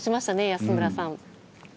安村さん。